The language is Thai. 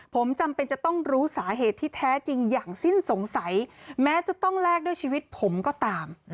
ผมจำเป็นจะต้องรู้สาเหตุที่แท้จริงอย่างสิ้นสงสัยแม้จะต้องแลกด้วยชีวิตผมก็ตาม